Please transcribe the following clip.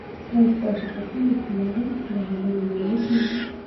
ایا ستاسو په سیمه کې لا هم د غنمو مېله کیږي؟